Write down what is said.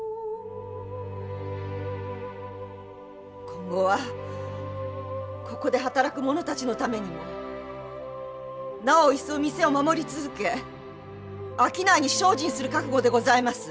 今後はここで働く者たちのためになお一層店を守り続け商いに精進する覚悟でございます。